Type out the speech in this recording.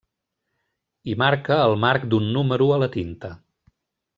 Hi marca el marc d'un número a la tinta.